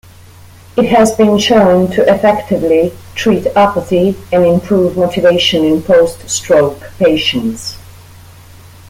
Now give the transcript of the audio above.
It has been shown to effectively treat apathy and improve motivation in post-stroke patients.